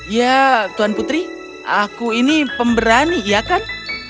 ya tuan putri aku ini pemberani ya kan